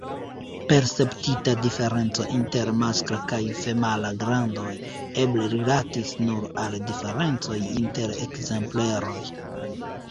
Perceptita diferenco inter maskla kaj femala grandoj eble rilatis nur al diferencoj inter ekzempleroj.